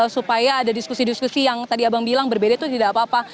supaya ada diskusi diskusi yang tadi abang bilang berbeda itu tidak apa apa